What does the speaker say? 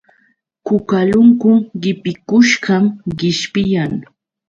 Kukalunkun qipikushqam qishpiyan.